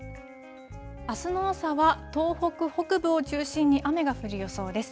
あすの朝は、東北北部を中心に雨が降る予想です。